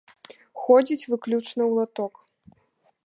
Ходзіць выключна ў латок.